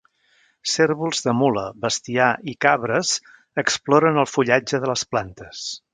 Cérvols de mula, bestiar i cabres exploren el fullatge de les plantes.